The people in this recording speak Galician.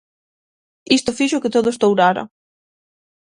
Isto fixo que todo estourara.